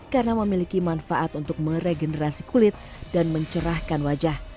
karena memiliki manfaat untuk meregenerasi kulit dan mencerahkan wajah